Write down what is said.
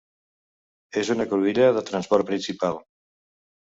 És una cruïlla de transport principal.